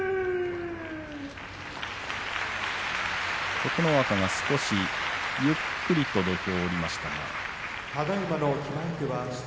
琴ノ若が少しゆっくりと土俵を下りましたが。